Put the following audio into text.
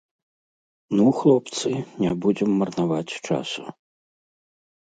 Ну, хлопцы, не будзем марнаваць часу.